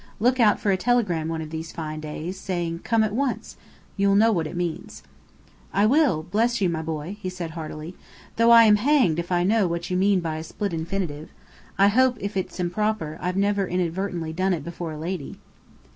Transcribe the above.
Look out for a telegram one of these fine days, saying 'Come at once.' You'll know what it means." "I will, bless you, my boy," he said heartily. "Though I am hanged if I know what you mean by a split infinitive. I hope if its improper, I've never inadvertently done it before a lady."